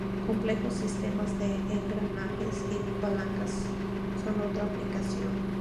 Complejos sistemas de engranajes y palancas son otra aplicación.